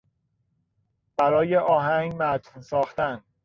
برای آهنگ متن ساختن